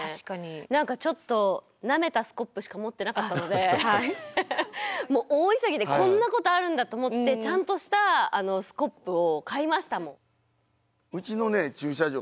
何かちょっとナメたスコップしか持ってなかったので大急ぎでこんなことあるんだと思ってちゃんとしたスコップを買いましたもん。